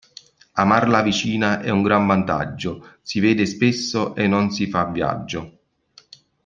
Amar la vicina è un gran vantaggio, si vede spesso e non si fa viaggio.